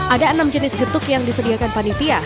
ada enam jenis getuk yang disediakan panitia